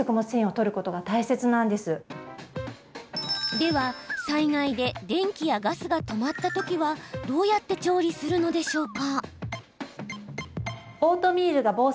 では、災害で電気やガスが止まったときは、どうやって調理するのでしょうか？